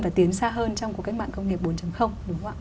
và tiến xa hơn trong cuộc cách mạng công nghiệp bốn đúng không ạ